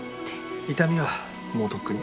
痛みはもうとっくに。